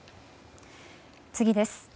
次です。